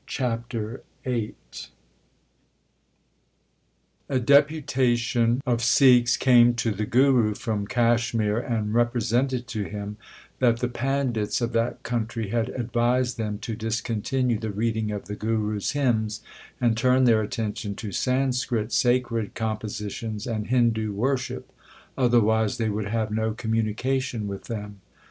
CHAPTER VIII A deputation of Sikhs came to the Guru from Kashmir and represented to him that the pandits of that country had advised them to discontinue the reading of the Guru s hymns and turn their attention to Sanskrit sacred compositions and Hindu worship, otherwise they would have no communication with them.